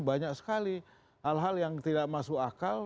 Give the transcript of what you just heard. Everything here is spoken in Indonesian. banyak sekali hal hal yang tidak masuk akal